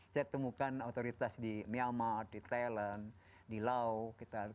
saya temukan otoritas di myanmar thailand di laos